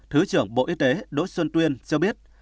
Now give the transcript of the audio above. thứ trưởng bộ y tế đỗ xuân tuyên cho biết